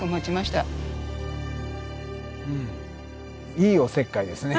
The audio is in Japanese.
いいおせっかいですね。